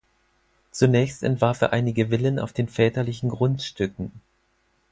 Zunächst entwarf er einige Villen auf den väterlichen Grundstücken.